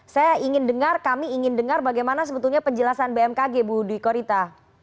saya ingin dengar kami ingin dengar bagaimana sebetulnya penjelasan bmkg bu dwi korita